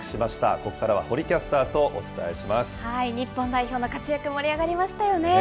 ここからは堀キャスターとお伝え日本代表の活躍、盛り上がりましたよね。